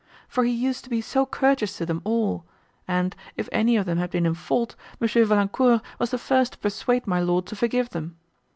For he used to be so courteous to them all, and, if any of them had been in fault, M. Valancourt was the first to persuade my lord to forgive them.